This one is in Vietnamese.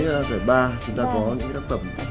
giải ba chúng ta có những tác phẩm